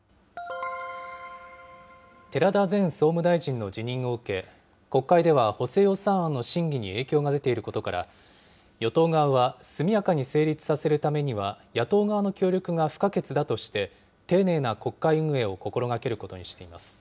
寺田前総務大臣の辞任を受け、国会では補正予算案の審議に影響が出ていることから、与党側は、速やかに成立させるためには野党側の協力が不可欠だとして、丁寧な国会運営を心がけることにしています。